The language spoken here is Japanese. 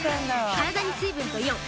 体に水分とイオン。